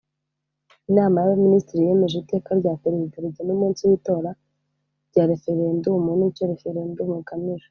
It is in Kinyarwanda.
Inama y’Abaminisitiri yemeje Iteka rya Perezida rigena Umunsi w’Itora rya Referendumu n’icyo Referendumu igamije